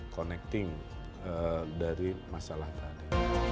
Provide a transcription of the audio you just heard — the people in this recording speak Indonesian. connecting dari masalah tadi